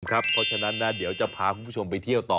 เพราะฉะนั้นเดี๋ยวจะพาคุณผู้ชมไปเที่ยวต่อ